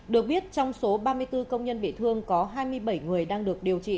được biết trong số ba mươi bốn công nhân bị thương có hai mươi bảy người đang được điều trị